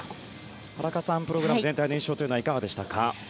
荒川さん、プログラム全体の印象はいかがでしたか？